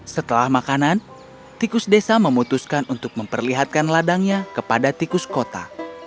setelah makanan tikus desa memutuskan untuk memperlihatkan ladangnya kepada tikus kota